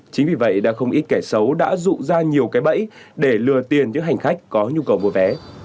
chính vì vậy đã không ít kẻ xấu đã rụ ra nhiều cái bẫy để lừa tiền những hành khách có nhu cầu mua vé